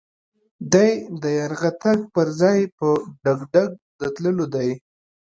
دی د يرغه تګ پر ځای په ډګډګ د تللو دی.